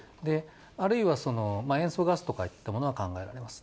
あるいは塩素ガスといったものが考えられます。